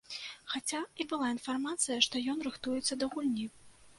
Хаця і была інфармацыя, што ён рыхтуецца да гульні.